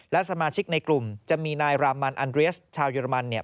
และสมาชิกในกลุ่มจะมีนายรามันอันเรียสชาวเยอรมันเนี่ย